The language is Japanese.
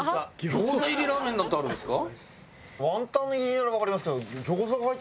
餃子入りラーメンなんてあるんですか？